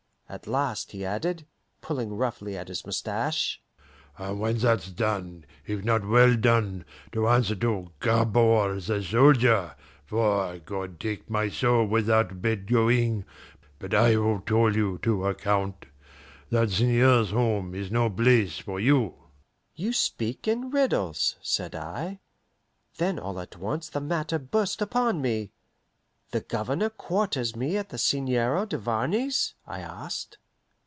At last he added, pulling roughly at his mustache, "And when that's done, if not well done, to answer to Gabord the soldier; for, God take my soul without bed going, but I will call you to account! That Seigneur's home is no place for you." "You speak in riddles," said I. Then all at once the matter burst upon me. "The Governor quarters me at the Seigneur Duvarney's?" I asked.